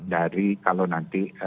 dari kalau nanti